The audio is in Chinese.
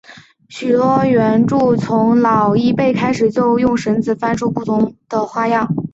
许多原住民群体从老一辈开始就会用绳子翻转出不同的花样。